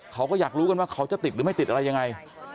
เขาก็อยากรู้กันว่าเขาจะติดหรือไม่ติดอะไรยังไง